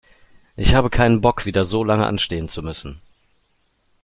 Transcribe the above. Ich habe keinen Bock, wieder so lange anstehen zu müssen.